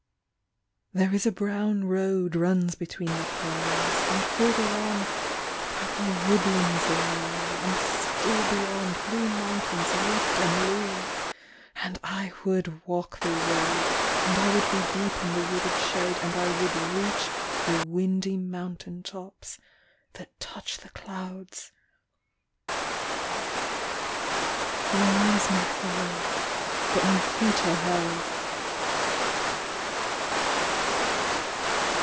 81 There is a brown road runs between the pines, And further on the purple woodlands lie, And still beyond blue mountains lift and loom; And I would walk the road and I would be Deep in the wooded shade and I would reach The windy mountain tops that touch the clouds. My eyes may follow but my feet are held.